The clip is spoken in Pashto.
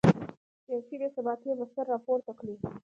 سیاسي بې ثباتي به سر راپورته کړي.